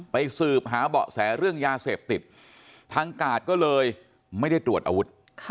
สืบหาเบาะแสเรื่องยาเสพติดทางกาดก็เลยไม่ได้ตรวจอาวุธ